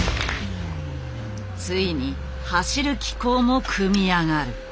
ついに走る機構も組み上がる。